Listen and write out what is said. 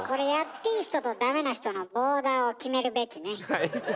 はい。